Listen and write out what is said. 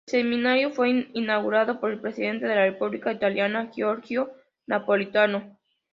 El seminario fue inaugurado por el Presidente de la República Italiana, Giorgio Napolitano.